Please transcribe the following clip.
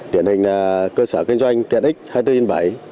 điển hình là cơ sở kinh doanh tiện ích hai mươi bốn trên bảy